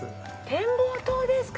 展望塔ですか！